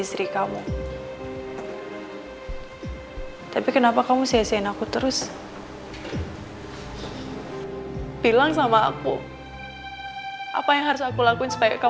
supaya kamu bisa terima aku